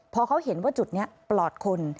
พอเขาเห็นว่าจุดนี้ปลอดคน